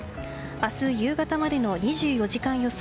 明日夕方までの２４時間予想